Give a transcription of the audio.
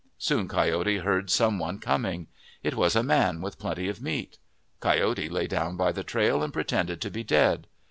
Soon Coyote heard some one coming. It was a man with plenty of meat. Coyote lay down by the trail and pretended to be dead.